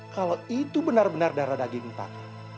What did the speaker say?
kalau itu benar benar darah daging entah